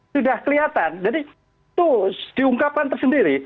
sudah kelihatan jadi itu diungkapkan tersendiri